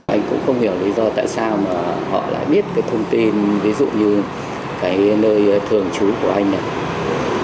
anh cũng không hiểu lý do tại sao mà họ lại biết cái thông tin ví dụ như cái nơi thường trú của anh này